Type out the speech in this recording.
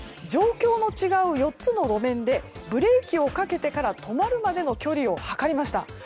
状況の違う４つの路面でブレーキをかけてから止まるまでの距離を測りました。